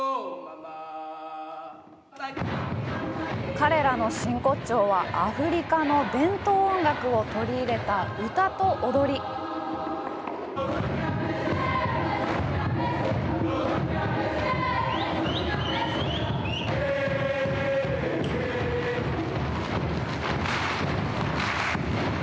彼らの真骨頂は、アフリカの伝統音楽を取り入れた歌と踊りです。